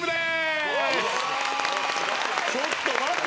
ちょっと待って。